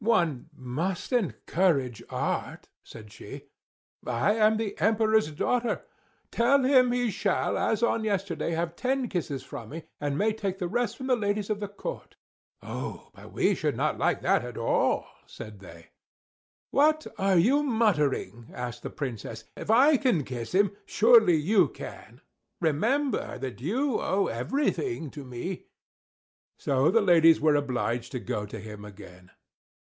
"One must encourage art," said she, "I am the Emperor's daughter. Tell him he shall, as on yesterday, have ten kisses from me, and may take the rest from the ladies of the court." "Oh but we should not like that at all!" said they. "What are you muttering?" asked the Princess. "If I can kiss him, surely you can. Remember that you owe everything to me." So the ladies were obliged to go to him again.